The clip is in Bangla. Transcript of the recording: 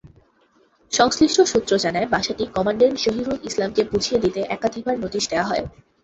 সংশ্লিষ্ট সূত্র জানায়, বাসাটি কমান্ড্যান্ট জহিরুল ইসলামকে বুঝিয়ে দিতে একাধিবার নোটিশ দেওয়া হয়।